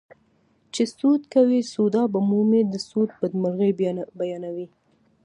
چې سود کوې سودا به مومې د سود بدمرغي بیانوي